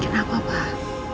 kenakan papa perhatiin bangetnya